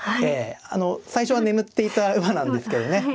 ええあの最初は眠っていた馬なんですけどね